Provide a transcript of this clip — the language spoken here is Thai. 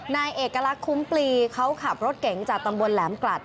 นายเอกลักษณ์คุ้มปลีเขาขับรถเก๋งจากตำบลแหลมกลัด